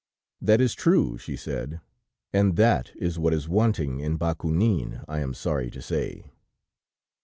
"'That is true,' she said, 'and that is what is wanting in Bakounine, I am sorry to say.'